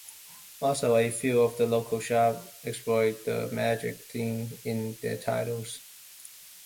Also, a few of the local shops exploit the "magic" theme in their titles.